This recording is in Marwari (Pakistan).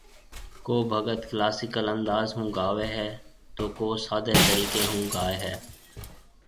ڪو ڀگت ڪلاسيڪل انداز ھونگاوي هي تو ڪو سادي طريقي ھونگاوي هي